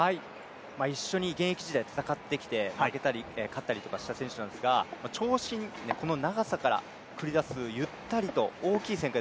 一緒に現役時代戦ってきて負けたり勝ったりした選手なんですが、長身でこの長さから繰り出すゆったりと大きい旋回